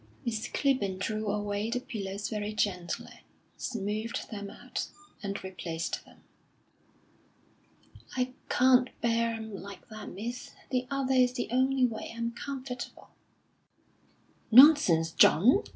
Miss Clibborn drew away the pillows very gently, smoothed them out, and replaced them. "I can't bear 'em like that, miss. The other is the only way I'm comfortable." "Nonsense, John!"